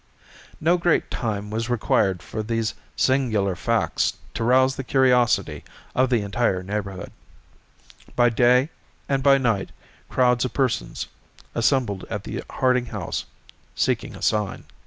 No great time was required for these singular facts to rouse the curiosity of the entire neighborhood. By day and by night crowds of persons assembled at the Harding house "seeking a sign."